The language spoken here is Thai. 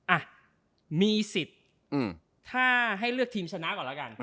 อ่ะมีสิทธิ์ถ้าให้เลือกทีมชนะก่อนแล้วกัน